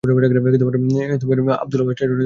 এই সময়েই Abdulpur railway station খোলা হয়েছিল।